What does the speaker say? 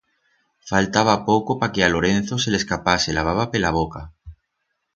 Faltaba poco pa que a Lorenzo se le escapase la baba per la boca.